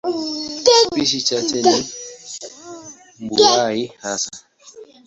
Spishi chache ni mbuai hasa.